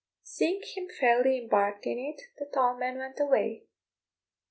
Seeing him fairly embarked in it, the tall men went away.